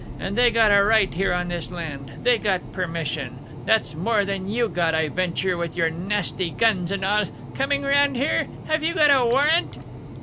And they got a right here on this land. They got permission. That's more than you got, I venture, with your nasty guns and all, coming around here Have you got a warrant?"